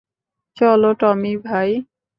চলো, টমি ভাই।